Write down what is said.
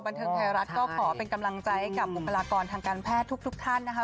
บันเทิงไทยรัฐก็ขอเป็นกำลังใจให้กับบุคลากรทางการแพทย์ทุกท่านนะคะ